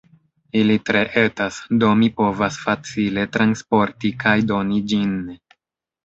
Ili tre etas, do mi povas facile transporti kaj doni ĝin.